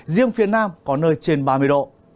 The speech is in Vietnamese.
riêng phía nam có nơi trên ba mươi độ